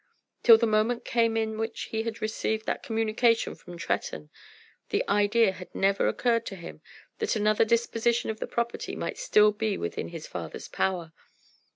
Till the moment came in which he had received that communication from Tretton, the idea had never occurred to him that another disposition of the property might still be within his father's power.